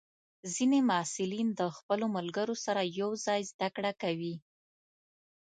ځینې محصلین د خپلو ملګرو سره یوځای زده کړه کوي.